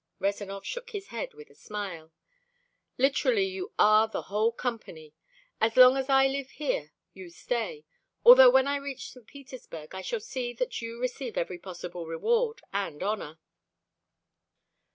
Rezanov shook his head with a smile. "Literally you are the whole Company. As long as I live here you stay although when I reach St. Petersburg I shall see that you receive every possible reward and honor."